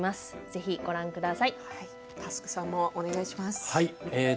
ぜひ、ご覧ください。